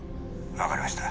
「わかりました。